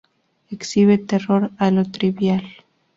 Exhibe terror a lo trivial.